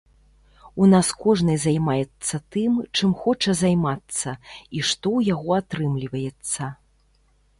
У нас кожны займаецца тым, чым хоча займацца, і што ў яго атрымліваецца.